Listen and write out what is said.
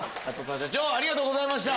社長ありがとうございました。